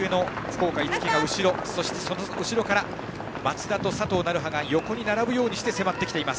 そして、その後ろから松田と佐藤成葉が横に並ぶようにして迫ってきています。